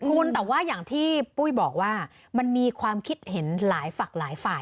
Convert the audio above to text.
คุณแต่ว่าอย่างที่ปุ้ยบอกว่ามันมีความคิดเห็นหลายฝักหลายฝ่าย